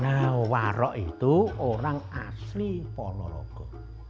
nah warok itu orang asli ponorogo